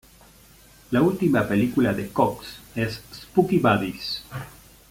La última película de Cox es "Spooky Buddies".